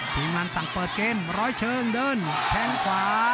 พิมลสรรค์เปิดแกมป์ร้อยเชิงเดินแทงขวา